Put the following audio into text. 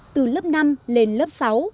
từ lớp năm lên lớp sáu